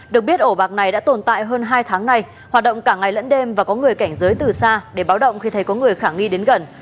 được biết ổ bạc này đã tồn tại hơn hai tháng nay hoạt động cả ngày lẫn đêm và có người cảnh giới từ xa để báo động khi thấy có người khả nghi đến gần